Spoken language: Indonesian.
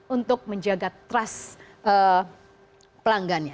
untuk menjaga trust pelanggannya